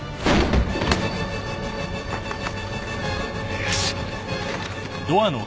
よし。